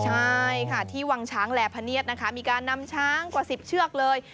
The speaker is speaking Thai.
ใช่ค่ะที่วังช้างแหล่พะเนียดนะคะมีการนำช้างกว่า๑๐เชือกเลย